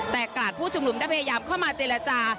แต่กราดผู้ชุมนุมได้พยายามเข้ามาเจรจา